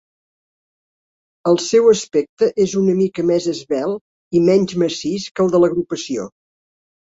El seu aspecte és una mica més esvelt i menys massís que el de l'agrupació.